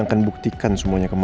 apa bapak ketangkep